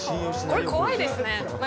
これ、怖いですね。